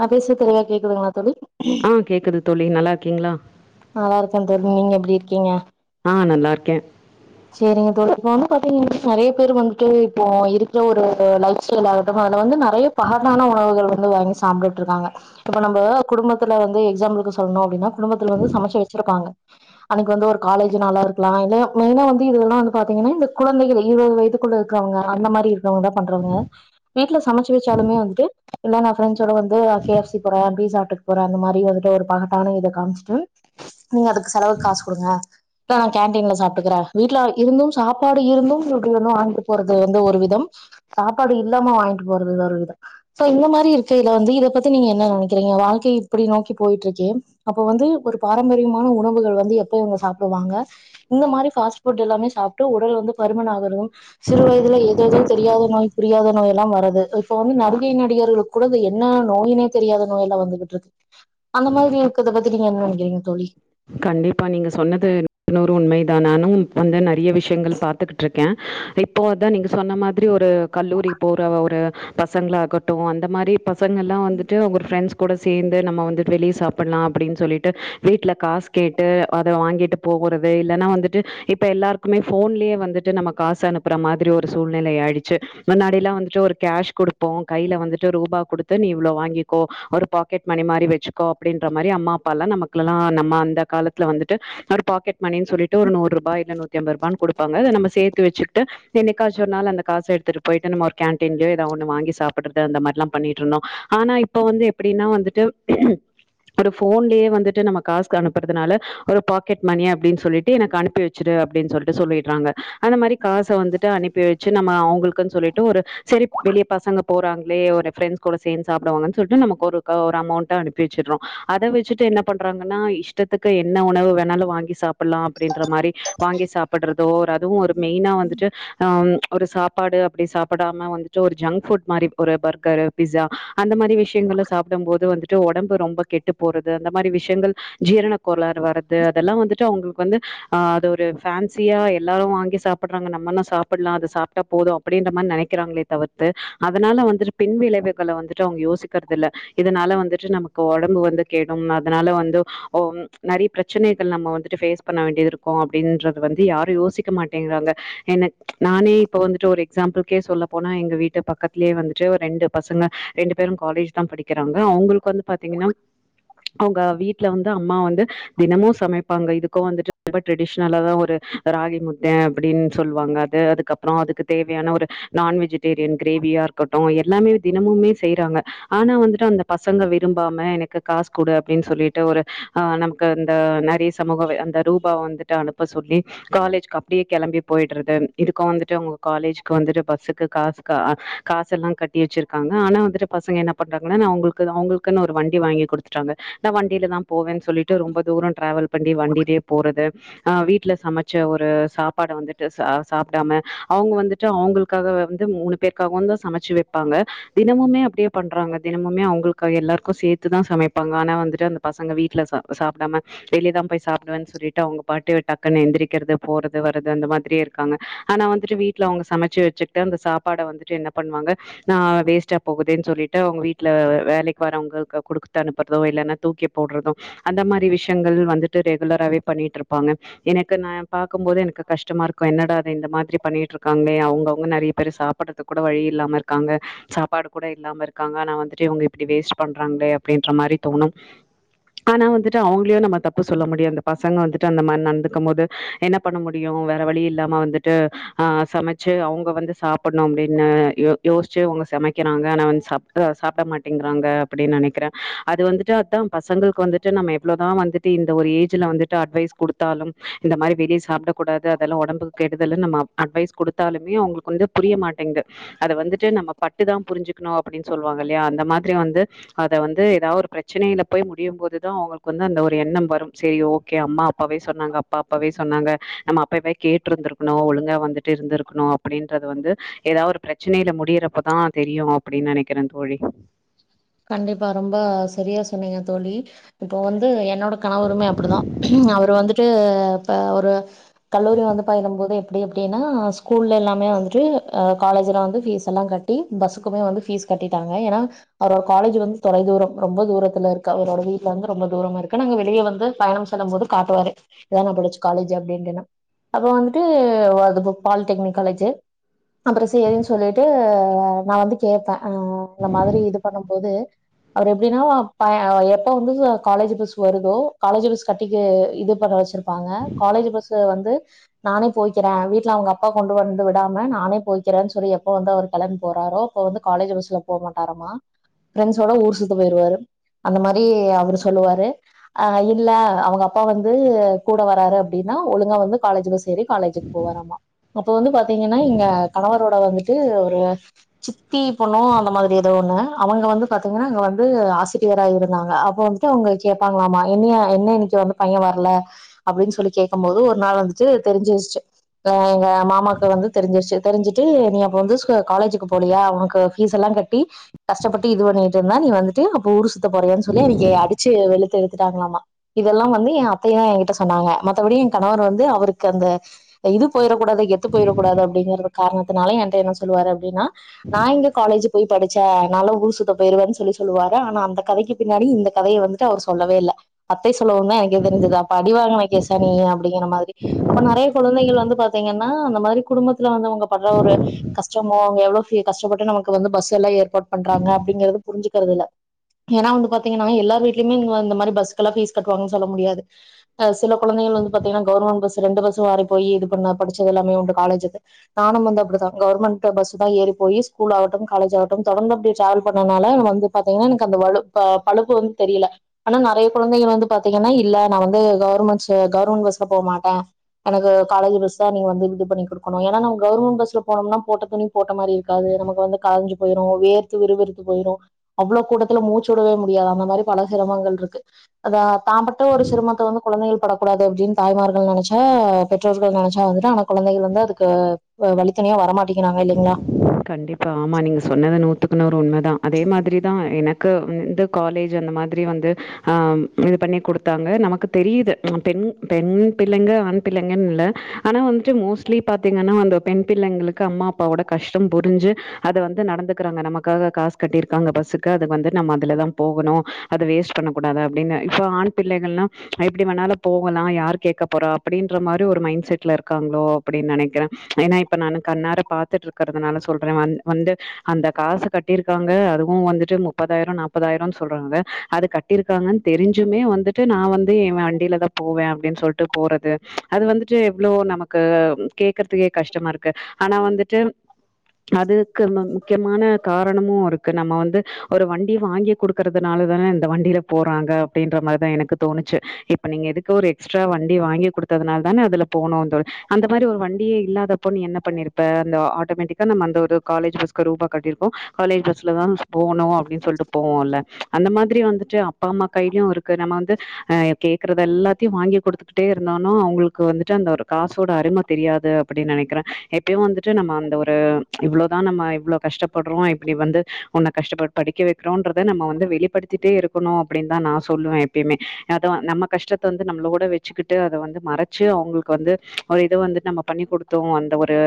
நா பேசுறது தெளிவா கேக்குதுங்களா தோழி ப்போ கேக்குது தோழி நல்லா இருக்கீங்ளா நல்லா இருக்க தோழி. நீங்க எப்பிடி இருக்கீங்க? ஆ நல்லா இருக்கே செரிங்க தோழி இப்ப வந்து பாத்தீங்னா நறைய பேர் வந்துட்டு இப்போ இருக்ற ஒரு லைப் ஸ்டைல் ஆகட்டு அதுல வந்து நறைய பகத்தான உணவுகள் வந்து வாங்கி சாப்ட்ருக்காங்க இப்ப நம்போ குடும்பத்துல வந்து எக்ஸாம் வெக்க சொல்ணு அப்டினா குடும்பத்ல இருந்து சமைச்சு வச்சிருப்பாங்க அன்னைக் வந்து காலேஜ் நாளாருக்லா இல்ல மெயினா வந் து இதுல்லா வந்து பாத்தீங்கனே இந்த குழந்தைகள் இருவது வயதுக்குள்ள இருக்கவுங்க அந்த மாரி இரு க்குறவுங்க பண்றவுங்க வீட்ல சமைச்சு வச்சாலுமே வந்துட்டு இல்ல நா ஃப்ரெண்ட்ஸோட வந்து கேஃப்சி போறே பீசா ஹட்டுக்கு போறே அந்த மாரி வந்துட்டு ஒரு பகட்டான இத காமிச்சிட்டு நீங்க அதுக்கு செலவுக்கு காசு குடுங்க. இல்ல நா கேன்டீன்ல சாப்ட்டுக்கிறே. வீட்ல இருந்தும் சாப்பாடு இருந்தும் இப்டி வந்து வாங்கிட் போறது வந்து ஒரு விதம் சாப்பாடு இல்லாம வாங்கிட்டு போறது ஒரு விதோ சோ இந்த மாரி இருக்கேல வந்து இத பத்தி நீங்க என்ன நெனைக்கிறீங்க வாழ்க்கை இப்டி நோக்கி போயிட்டு இருக்கே அப்ப வந்து ஒரு பாரம்பரியமான உணவுகள் வந்து எப்ப இவுங்க சாப்டுவாங்க இந்த மாரி ஃபாஸ்ட் ஃபுட் எல்லாமே சாப்டு உடல் வந்து பருமன் ஆகுறதும் சிறு வயதுல ஏத எதோ தெரியாத நோய் புரியாத நோய் எல்லா வருது இப்ப வந்து நடிகை நடிகர்களு க்குகூட இந்த என்ன நோயினே தெரியாத நோய் எல்லா வந்துகிட்டு இருக்கு அந்த மாதிரி இருக்கர்த பத்தி நீங்க என்ன நெனைக்கிறீங்க தோழி கண்டிப்பா நீங்க சொன்னது நூத்துக்கு நூறு உண்மைதா நானு இப் வந்து நெறைய விஷயங்கள் பாத்துகுட்ருக் கே இப்போ அதா நீங்க சொன்ன மாதிரி ஒரு கல்லூரி போற ஒரு பசங்கள ஆகட்டு அந்த மாரி ப பசங்கல்லா வந்துட்டு அவுங்க ஒரு ஃபிரெண்டஸ் கூட சேந்து நம்ம வந்துட்டு வெளிய சாப்பிலா அப்டினு சொல்லிட்டு வீட்ல காசு கேட்டு அத வாங்கிட்டு போவுறது இல்லனா வந்துட்டு இப்ப எல்லாருக்குமே ஃபோன்லயே வந்துட்டு நம்ம காசு அனுப் புற மாதிரி ஒரு சூழ்நிலை ஆயிடுச்சு முன்னாடில்லா வந்துட்டு ஒரு கேஷ் குடுப்போ கைல வந்துட்டு ரூபா குடுத் து நீ இவ்ளோ வாங்கிக்கோ ஒரு பாக்கெட் மணி மாரி வச்சுக்கோ அப்டின்ற மாரி அம்மா அப்பாலா நமக்குலா நம் ம் அந்த காலத்ல வந்துட்டு ஒரு பாக்கெட் மணின்னு சொல்லிட்டு ஒரு நூறுரூபா இல்ல நூத்தி ஐம்பது ரூபான்னு குடுப்பாங்க அத நம்ம சேத்து வச்சிட்டு என்னைக்காச்சு ஒரு நாள் அந்த காச எடுத்துட்டு போயிட்டு நம்ம ஒரு கேன்டீன்லயோ எதோ ஒன்னு வாங்கி சாப்டுட்ட அந்த மாரி ல்லா பண்ணிட்ருந்தோ. ஆனா இப்ப வந்து எப்பிடின்னா வந்துட்டு ஒரு ஃபோன்லயே வந்துட்டு நம்ம காசுக்கனுப்புறதுனால ஒரு பாக்கெட் மணி அப்டின் சொல்லிட்டு எனக்கு அனுப்பி வச்சுரு அப்டினு சொல் டு சொல்லிடுறாங்க அந்த மாரி காச வந்துட்டு அனுப்பி வச்சு நம்ம அவுங்களுக்குன் சொல்லிட்டு ஒரு செரி வெளிய பசங்க போறாங்களே ஒரு ஃப்ரண்டஸ் கூட சேந்து சாப்டுவாங்கன்னு சொல்லிட்டு நமக்கு ஒரு க ஒரு அமௌண்ட்டா அனுப்பி வச்சிரோ அத வச்சுட்டு என்ன பண்றாங்கன்னா இஷ் இஷ்டத்துக்கு என்ன உணவு வேணாலு வாங்கி சாப்புல்லா அப்டின்ற மாரி வாங்கி சாப்புடுறதோ ஒரு அதுவும் ஒரு மெயினா வந்துட்டு ஹம் ஒரு சாப் பாடு அப்டி சாப்டாம வந்துட்டு ஒரு ஜங்க் ஃபுட் மாரி ஒரு பர்கர் பிஸா அந்த மாரி விஷயங்க சாப் பிடு போது வந்துட்டு ஒடம்பு ரொம்ப கெட்டு போறது அந்த மாரி விஷயங்கள் ஜீரண கோளாறு வரது அதெலா வந்து ட்டு அவுங்களுக்கு வந்து அது ஒரு ஃபேன்சியா எல்லாரு வாங்கி சாப் பிடுறாங்க நம்மனா சாப்பில்லா அது சாப்டா போது அப்டின்ற மாரி நெனைக்கிறாங்களே தவிர்த்து அதனால வந்துரு பின் விளைவுகள வந்துட்டு அவுங்க யோசிக்கிறதுல்ல இதனால வந்துட்டு நமக்கு ஒடம்பு வந்து கெடும் அதனால வந்து ஓம் நெறைய பிரெச்சனைகள் நம்ம வந்துட்டு ஃபேஸ் பண்ண வேண்டியதி ருக்கு அப்டின்றது வந்து யாரு யோசிக்க மாட்டேங்கிறாங்க என நானே இப்ப வந்துட்டு ஒரு எக்ஸாம் புள்க்கே சொல்ல போனா எங்க வீட்டு பக்கத்லயே வந்து ட்று ஒரு ரெண்டு பசங்க ரெண்டு பேரு காலேஜ் தா படிக்கிறாங்க அவுங்கள்க்கு வந்து பாத்தீங்னா அவுங்க வீட்ல வந்து அம்மா வந்து தினமு சமைப்பாங்க இதுக்கு வந்துட்டு ரொம்ப ட்ரெடிஷனலா தா ஒரு ராளிமுத்தை அப்டின் சொல்லுவாங்க அது அதுக் கப்பறோ அதுக்கு தேவையான ஒரு நான் வெஜிடேரியன் கிரேவியா இருக்கட்டு எல்லாமே தினமுமே செய்றாங்க ஆனா வந்துட்டு அந்த பசங்க விரும்பாம எனக்கு காஸ் குடு அப்டின்னு சொல் ட்டு ஒரு ஹ நமக்கு அந்த நெறைய சமூக வ அந்த ரூபாவ வந்துட்டு அனுப்ப சொல்லி காலேஜ் கப் ப்டியே கெளம்பி போயிடுறது இதுக்கு வந்துட்டு உங்க காலேஜ்க்கு வந்துட்டு பஸ்ஸுக்கு காசு கா காசு எல்லா கட் டி வச்சிருக்காங்க ஆனா வந்துட்டு பசங்க என்ன பண்றாங்க உங்களுக்கு அவுங்களுக்குன்னு ஒரு வண்டி வாங்கி குடுத்துடாங்க நா வண் வண்டில தா போவேனு சொல்லிட்டு ரொம்ப தூரம் டிராவல் பண்ணி வண்டிலயே போறது ஆ வீட்ல சமச்ச ஒரு சாப்பாட வந்துட்டு இ சா சாப்டாம அவங்க வந்துட்டு அவங்களுக்காக வந்து மூணு பேருக்காகவும் தா சமச்சு வப்பாங்க தினமுமே அப்டியே பண்றாங்க தினமுமே அவங்களுக்கு எல்லாருக்கு சேத்துதா சமைப்பாங்க ஆனா வந்துட்டு அந்த பசங்க வீட்ல சாப்டாம வெளிய தா போய் சாப்டுவனு சொல்லிட்டு அவங்க பாட்டு டக்குனு எந்திரிக்கறது போறது வருது அந்த மாதிரியே இருக்கு இருக்காங்க ஆனா வந்துட்டு வீட்ல அவங்க சமச்சு வச்சுக்கிட்டு அந்த சாப்பாட வந்துட்டு என்ன பண்ணுவாங்க தான் வேஸ்ட்டா போகுதேன்னு சொல்லிட்டு அவங்க வீட்டுல வேலைக்கு வரவங்கக்கு க குடுத்து அனுப்பற்தோ இல்ன்னா போட்றதும் அந்த மாதிரி விஷயங்கள் வந்துட்டு ரெகுலராவே பண்ணிட்டு இருப்பாங்க எனக்கு நா பாக்கும் போது எனக்கு கஷ்டமா இருக்கும் என்னடா அது இந்த மாதிரி பண்ணி ட்டுருக்காங்களே அவங்க அவங்க நிறைய பேரு சாப்படுறதுக்கு கூட வழி இல்லாம இருக்காங்க சாப்பாடு கூட இல்லாம இருக் இருக்காங்க நா வந்துட்டு இவங்க இப்படி வேஸ்ட் பண்றாங்களே அப்டின்ற மாரி தோணும் ஆனா வந்துட்டு அவங்களையும் நம்ம தப்பு சொல்ல முடியு அந்த பசங்க வந்துட்டு அந்த மாரி நடந்துக்கும் போது என்ன பண்ண முடியு வேற வழி இல்லாம வந்துட்டு ஆ சமச்சு அவங்க வந்து சாபட்ணும் அப்டின்னு யோசிச்சு அவங்க சமை கறாங்க சாப்பட மாட்டேங்கறாங்க அப்டின்னு நனைக்கறே அது வந்துட்டு பசங்களுக்கு வந்துட்டு நம்ம எவ்ளோதா வந்துட்டு இந்த ஒரு ஏஜ்ல வந்துட்டு அட்வைஸ் குடுத்தாலு இந்த மாரி வெளிய சாப்டக்கூடாது அதல்லா ஒடம்புக்கு கெடுதலு நம்ம அ அட்வைஸ் குடுத்தாலுமே அவங்களுக்கு வந்து புரிய மாட்டேங்து அத வந்துட்டு நம்ம பட்டுதா புரிஞ்சிக்கணு அப்டின்னு சொல்லுவாங்க இல்லையா அந்த மாரி வந்து அத வந்து ஏதா ஒரு பிரச் ப்ரச்சனைல போய் முடியும் போது தா அவங்களுக்கு வந்து அந்த ஒரு எண்ணம் வரும் சரி ஓகே அம்மா அப்பாவே சொன்னாங்க அப்ப அப்பாவே சொன்னாங்க நம்ம அப்பவே கேட்டுருந்துருக்கணும் ஒழுங்கா வந்துட்டு இருந்துருக்கணும் அப்டின்றது வந்து ஏதா ஒரு பிரச்சனைல முடியறப்பதா தெரியு அப்டினு நெனைக்ற தோழி கண்டிப்பா ரொம்ப சரியா சொன்னீங்க தோழி இப்போ வந்து என்னோட கணவருமே அப்டிதா அவரு வந்துட்டு இப்ப ஒரு கல்லூரி வந்து பயிலும் போது எப்படி அப்டினா ஸ்கூல்ல எல்லாமே வந்துட்டு அ காலேஜ்லா வந்து ஃபீஸ் லாம் கட்டி பஸ்ஸுக்குமே வந்து பீஸ் கட்டிட்டாங்க ஏனா அவரோட காலேஜ் வந்து தொலைதூரம் ரொம்ப தூரத்துல இருக்கு அவரோட வீட்ல வந்து ரொம்ப தூரமா இருக்கு நாங்க வெளிய வந்து பயணம் செல்லும்போது காட்டுவாரு இதா நா படிச்ச காலேஜ் அப்டின்டுனு அது வந்துட்டு வா து புக் பால்டெக்னிக் காலேஜூ அப்ற சேரின்னு சொல்லி ஆ நா வந்து கேக்பேன் ஆ இந்த மாரி இது பண்ணும்போது அவர் எப்டின்னா எப்ப வந்து காலேஜ் பஸ் வருதோ காலேஜ் பிஸ் கட்டிக்கு இது பண்ண வச்ருப் ருப்பாங்க காலேஜ் பஸ்ல வந்து நானே போய்கறே வீட்ல அவங்க அப்பா கொண்டு வந்து விடாம நானே போய்கக்கறே சொல்லி இப்ப வந்து அவர் களம்ப போறாரோ இப்ப வந்து காலேஜ் பஸ்ல போக மாட்டாரமா பிரரெண்டஸ்ஸோட ஊர் சுத்த போயிருவாரு அந்த மாரி அவரு சொல்லுவாரு அ இல்ல அவங்க அப்பா வந்து கூட வராரு அப்டின்னா ஒழுங்க வந்து காலேஜூ பஸ் ஏறி காலேஜ்க்கு போவரமா அப்போ வந்து பாத்தீங்கன்னா இங்க கணவரோட வந்துட்டு ஒரு சித்தி பொண்ணோ அந்த மாரி எதோ ஒண்ணு அவங்க வந்து பாத்தீங்கன்னாங்க வந்து ஆசிட்ரியா இருந்தாங்க அப்போ த்த உங்க கேபாங்களாமா என்னய என்ன இன்னைக்கு வந்து பைய வரல அப்டின்னு சொல்லி கேட்கு போது ஒரு நாள் வந்துட்டு தெரிஞ்சிரிச்சி அ எங்க மாமாக்கு வந்து தெரிஞ்சிருச்சி தெரிஞ்சுட்டு நீ அப் அப்ப வந்து காலேஜுக்கு போலியா ஓனக்கு பீஸ் எல்லா கட்டி கஷ்டப்பட்டு இது பண்ணிட்டு இருந்தா நீ வந்துட்டு அப்ப ஊர் சுத்த போறியான்னு சொல்லி அன்னைக்கு அடிச்சு வெளுத்து இழுத்துட்டாங்களாமா இதல்லா வந்து ஏ அத்தையே எகிட்ட சொன்னாங்க மத்தபடி என் கணவர் வந்து அவருக்கு அந்த இது போயிறக்கூடாது கெத்து போயிறக்கூடாது அப்டிங்கறது காரணத்னால என் ட சொல்லுவாரு அப்படின்னா நான் இங்க காலேஜு போய் படிச்சேன் நல்லா ஊரு சுத்த போயிருவேன்னு சொல்லி சொல்லுவாரு ஆனா அந்த கதைக்கு பின்னாடி இந்த கதையை வந்துட்டு அவர் சொல்லவே இல்ல அத்தை சொல்லவவு தா எனக்கு தெரிஞ்சது அப்படிவங்கன கேஷானியி அப்டிங்கிற மாரி அப்ப நிறைய குழந்தைகள் வந்து பாத்தீங்கன்னா அந்த மாதிரி குடும்பத்துல வந்து அவங்க படுற ஒரு கஷ்டமோங்க எவ்ளோ ஃபீ கஷ்டப்பட்டு நமக்கு வந்து பஸ் எல்லா ஏற்பாடு் பண்றாங்க அப்டிங்கிறது புரிசிங்றது இல்ல ஏன்னா வந்து பாத்தீங்கன்னா எல்லா வீடலயுமே இந்த மாரி பஸ்சுக்கு எல்லாம் பீஸ் கட்டு வாங்கன் சொல்ல முடியாது அ சில கொழந்தைகள் வந்து பாத்தீங்கன்னா கவேர்மெண்ட் பஸ் ரெண்டு பஸ் மாறி போய் இது பண்ண படிச்சது எல்லாமே உண்டு காலேஜுல நானும் வந்த அப்டிதா கவர்மெண்ட் பஸ் தா ஏறி போய் ஸ்கூல் ஆட்டு காலேஜ் ஆட்டு தொடர்ந்து அப்டியே ட்ராவல் பண்ணனால ந வந்து பாத்தீங்கன்னா எனக்கு அந்த வலு ப பலுப்பு வந்து தெரியல ஆனா நிறைய குழந்தைகள் வந்து பாத்தீங்கன்னா இல்ல நா வந்து கவர்மெண்ட்ஸ் கவர்மெண்ட் பஸ்ல போக மாட்டேன் எனக்கு காலேஜ் பஸ் தா நீங்க வந்து விடு பண்ணி கொடுக்கணும் ஏன்னா நா கவுவர்மெண்ட் பஸ்ல போனம்னா போட்ட துணி போட்ட மாரி இருக்காது நமக்கு வந்து கயஞ்சி போயிரு வேர்த்து விறுவிறுத்து போயிரு அவ்ளோ கூட்டத்துல மூச்சு விடவே முடியாது அந்த மாதிரி பல சிரமங்கள் இருக்கு அத தாம்பட்ட ஒரு சிரமத்த வந்து கொழந்தைகள் பட கூடாது அப்டின்னு தாய்மார்கள் நினைச்சா பெற்றோர்கள் நினைச்சா வந்து ஆனா கொழந்தைகள் வந்து அதுக்கு வ வழி த்தனியா வரமாட்டிங்கிறாக கண்டிப்பா ஆமா நீங்க சொன்னது நூத்துக்கு நூறு உண்மதான் அதே மாதிரி தா எனக்கு ந்து காலேஜ் அந்த மாதிரி வந்து ஆ இது பண்ணி கொடுத்தாங்க நமக்கு தெரியுது ம் பெண் பெண் பிள்ளைங்க ஆண் பிள்ளைங்கன்னு இல்ல ஆனா வந்துட்டு மோஸ்ட்லி பாத்தீங்கன்னா வந்து பெண் பிள்ளைங்களுக்கு அம்மா அப்பாவோட கஷ்டம் புரிஞ்சு அத வந்து நடந்துக்கிறாங்க நமக்காக காசு கட்டிருக்காங்க பஸ்க்கு அது வந்து நம்ம அதுல தா போகணும் அது வேஸ்ட் பண்ண கூடாது அப்படின்னு இப்ப ஆண் பிள்ளைகள்லாம் எப்டி வேண்ணாலும் போகலாம் யார் கேட்க போறா அப்டின்ற மாதிரி ஒரு மைண்ட் செட்ல இருக்காங்களோ அப்டின்னு நினைக்கிறேன் ஏன்னா இப்ப நானு கண்ணார பாத் [unintelligible] இருக்கறதுனால சொல்றேன் வந் வந்து அந்த காசு கட்டிருக்காங்க அதுவும் வந்துட்டு முப்பதாயிரொ நாப்பதாயிரொ சொல்றாங்க அது கட் இருக்காங்கன்னு தெரிஞ்சுமே வந்துட்டு நா வந்து என் வண்டியிலதான் போவேன் அப்படின்னு சொல்லிட்டு போறது அது வந்துட்டு எவ்வளோ நமக்கு கேக்குறதுக்கே கஷ்டமா இருக்கு ஆனா வந்துட் டு அதுக்கு முக்கியமான காரணமும் இருக்கு நாம வந்து ஒரு வண்டி வாங்கி கொடுக்கறதுனாலதான இந்த வண்டியில போறாங்க அப்படின்ற மாதிரிதான் எனக்கு தோணுச்சு இப்ப நீங்க எதுக்கு ஒரு எக்ஸ்ட்ரா வண்டி வாங்கி குடுத்ததுனால தான அதுல போனும் தோ அந்த மாரி ஒரு வண்டியே இல்லாதப்ப நீ என்ன பண்ணிருப்ப அந்த ஆட்டோமேட்டிக்கா நம்ம அந்த ஒரு காலேஜ் பஸ்க்கு ரூபா கட்டிருக்கோ காலேஜ் பஸ்ல தா போகனு அப் ப்டின் சொல்லிட்டு போவோம்ல அந்த மாதிரி வந்துட்டு அப்பா அம்மா கையிலயும் இருக்கு நம்ம வந்து அ கே க்றது எல்லாத்தையும் வாங்கி கொடுத்துக்கிட்டே இருந்தோ னா அவங்களுக்கு வந்துட்டு அந்த ஒரு காசோட அரும தெரியாது அப்படி நினைக்கிறேன் எப்பயும் வந்துட்டு ட்டு நம்ம அந்த ஒரு இவ்வளோதா நம்ம இவ்வளோ கஷ்டப்படுறோ இப்படி வந்து உன்ன கஷ்டப்ப படிக்க வைக்கிறோன்றத நம்ம வந்து வெளிப்படுத் திட்டே இருக்கணும் அப்படின்னு தான் நான் சொல்லுவேன் எப்பயுமே அத நம்ம கஷ்டத்த வந்து நம்மளோட வ வச்சுக்கிட்டு அத வந்து மறைச்சு அவுங்களுக்கு வந்து ஒரு இதை வந்து நம்ம பண்ணி கொடுத்தோம் அந்த ஒரு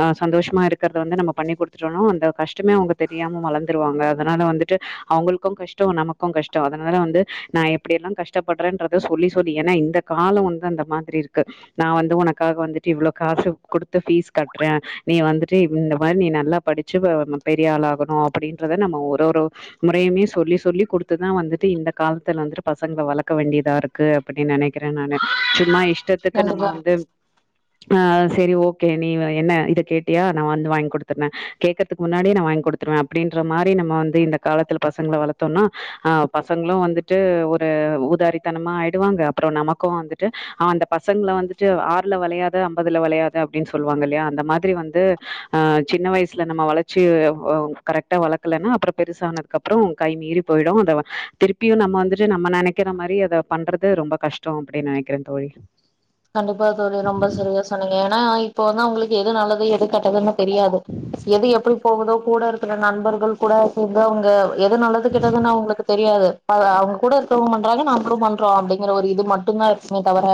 ஆ சந்தோஷமா இருக்கிறத வந்து நம்ம பண்ணி கொடுத்துட்டோனு அந்த கஷ்டமே அவங்க தெரியாம வளர்ந்துருவாங்க அதனால வந்துட்டு அவங்களுக் க்கும் கஷ்டொ நமக்கு கஷ்டொ அதனால வந்து நா எப்படியெல்லாம் கஷ்டப்படுறேன்றத சொல்லி சொல்லி ஏன்னா இந்த காலம் வந்து அந்த மாதிரி இருக்கு நா வந்து உனக்காக வந்துட்டு இவ்வளோ காசு கொடுத்து ஃபீஸ் கெட் ற நீ வந்துட்டு இந்த மாரி நீ நல்லா படிச்சு பே ம பெரிய ஆளாகணு அப்டின்றத நம்ம ஒரு ஒரு முறையுமே சொல்லி சொல்லி குடுத்துதா வந்துட்டு இந்த காலத்துல வந்துட்டு பசங்கள வளக்க வேண்டியதா இருக்கு க்கு அப்டினு நெனைக்ற நானு சும்மா இஸ் இஸ்டத்துக்கு நம்ம கண்டிப்பா வந்து ஆ செரி ஓகே நீ வை என்ன இத கேட்டியா நான் வந்து வாங்கி குடுத்துட்ற கேக்றதுக்கு முன்னாடியே நான் வாங்கி குடுத்துருவே அப்டின்ற மாரி நம்ம வந்து இந்த காலத்துல பசங்கள வளத்தோன்னா ஆ பசங்களு வந்துட்டு ஒரு உதாரித்தனமா ஆயிடுவாங்க அப்றோ நமக்கு வந்துட்டு ஆ அந்த பசங்கள வந்துட்டு ஆறுல வளையாது ஐம்பதுல வளையாது அப்டின்னு சொல்லுவாங்க இல்லயா அந்த மாதிரி வந்து சின்ன ஆ வயசுல நம்ம வளர்ச்சி கரெக்டா வளக்கலன்னா அப்றோ பெருசானது கப்றோ கை மீறி போயிடு அத திருப்பியு நம்ம வந்துட்டு நம்ம நெனைக்கிற மாரி அத பண்றது ரொம்ப கஷ் டோ அப்டி நெனைக்கிறே தோழி கண்டிப்பா தோழி ரொம்ப சரியா சொன்னீங்க ஏன்னா இப்போதா அவுங்களுக்கு எது நல்லது எது கேட்டதுன்னு தெரியாது எது எப்படி போகுதோ கூட இருக்குற நண்பர்கள் கூட சேந்து அவுங்க எது நல்லது கெட்டதுன்னு அவுங்களுக்கு தெரியாது அது அவுங்க கூட இருகவுங்க பண்றாங்க நம்பலு பண்றோ அப்டிங்கற ஒரு இது மட்டு தானக்ஷ இருக்குமே தவர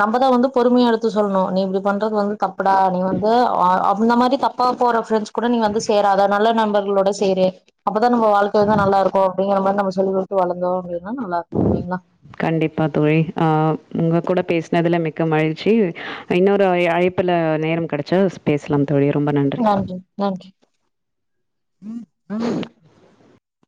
நம்பதா வந்து பொறுமையா எடுத்து சொல்ணு நீ இப்டி பண்றது வந்து தப்படா நீ வந்து அ அப் இந்த மாரி தப்பா போற ஃப்ரெண்ட்ஸ் கூட நீ வந்து சேராத நல்ல நண்பர்களோட சேரு அப்பதா நம்ப வாழ்க வந்து நல்லா இருக்கு அப்டிங்ற மாரி நம்ம சொல்லி குடுது வளந்தோ அப்டின்னா நல்லா இருக்கு இல்லைங்ளா கண்டிப்பா தோழி அ உங்க கூட பேசுனதுல மிக்க மகிழ்ச்சி இன்னொரு அ அழைபுல நேரம் கெடைச்ச பேசலாம் தோழி ரொம்ப நன் நன்றி நன்றி